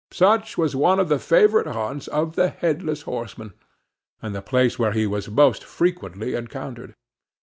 Such was one of the favorite haunts of the Headless Horseman, and the place where he was most frequently encountered.